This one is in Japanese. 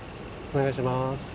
お願いします。